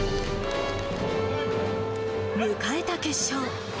迎えた決勝。